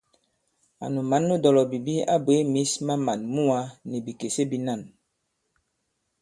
Ànu mǎn nu dɔ̀lɔ̀bìbi a bwě mǐs ma màn muwā nì bìkèse bīnân.